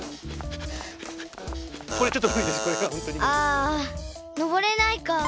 あのぼれないか。